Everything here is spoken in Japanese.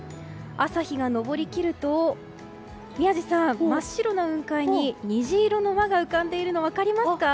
朝日が昇りきると宮司さん、真っ白な雲海に虹色の輪が浮かんでいるの分かりますか？